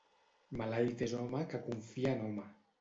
Maleït és home que confia en home.